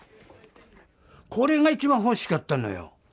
これが一番欲しかったのよ